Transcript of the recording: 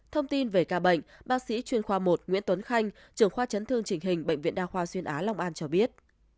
thông tin về ca bệnh bác sĩ chuyên khoa một nguyễn tuấn khanh trưởng khoa chấn thương chỉnh hình bệnh viện đa khoa xuyên á long an cho biết